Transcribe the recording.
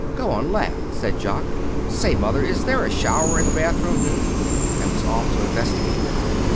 "Go on laugh!" said Jock. "Say, Mother, is there a shower in the bathroom, h'm?" And was off to investigate.